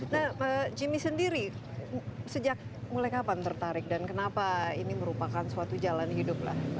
nah jimmy sendiri sejak mulai kapan tertarik dan kenapa ini merupakan suatu jalan hidup lah